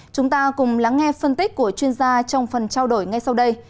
chúng ta cùng lắng nghe phân tích của chuyên gia trong phần trao đổi ngay sau đây